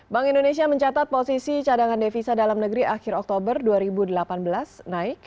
bank indonesia mencatat posisi cadangan devisa dalam negeri akhir oktober dua ribu delapan belas naik